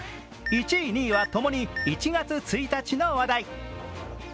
１位、２位は共に１月１日の話題。